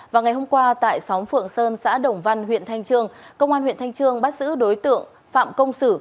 vào ngày hôm qua tại xóm phượng sơn xã đồng văn huyện thanh trương công an huyện thanh trương bắt giữ đối tượng phạm công sử